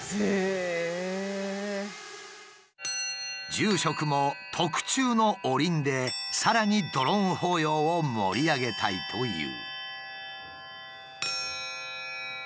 住職も特注のおりんでさらにドローン法要を盛り上げたいという。